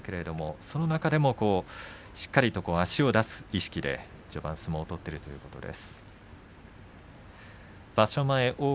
その中でもしっかりと足を出す意識で序盤相撲を取っているということです。